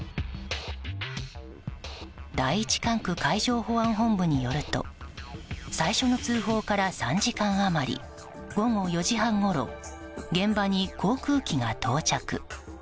第１管区海上保安本部によると最初の通報から３時間余り午後４時半ごろ現場に航空機が到着。